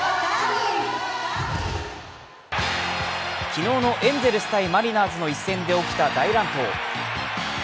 昨日のエンゼルス対マリナーズの一戦で起きた大乱闘。